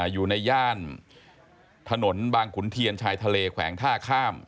อยู่เลยนะครับอยู่ในย่านถนนบางขุนเทียนชายทะเลแขวงท่าข้าม